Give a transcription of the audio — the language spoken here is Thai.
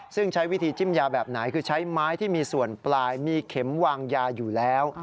ซึ่งใช้วิธีจิ้มยาแบบไหนคือใช้ไม้ที่มีส่วนปลายมีเข็มวางยาอยู่แล้ว